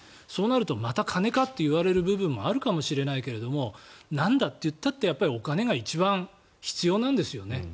そうなるとまた金かと言われる部分もあるかもしれないけれどもなんだっていったってお金が一番必要なんですよね。